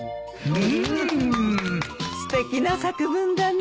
すてきな作文だね。